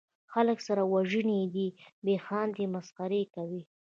خلک سره وژني دي پې خاندي مسخرې کوي